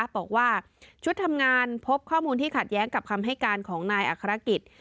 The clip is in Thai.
บอกว่าชุดทำงานพบข้อมูลที่ขัดแย้งกับคำให้การของนายอัครกิจ